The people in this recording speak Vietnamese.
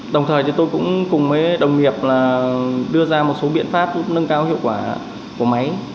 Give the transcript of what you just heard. đồng thời thì tôi cũng cùng với đồng nghiệp là đưa ra một số biện pháp nâng cao hiệu quả của máy